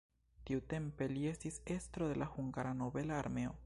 Tiutempe li estis estro de la hungara nobela armeo.